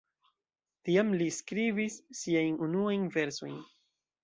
Tiam li skribis siajn unuajn versojn.